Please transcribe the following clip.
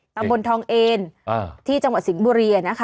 ตำบลทองเอนที่จังหวัดสิงห์บุรี